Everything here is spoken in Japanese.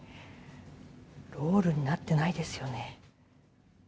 ロールになってないですよね。